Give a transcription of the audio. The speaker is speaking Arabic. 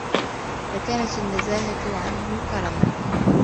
لَكَانَتْ النَّزَاهَةُ عَنْهُ كَرَمًا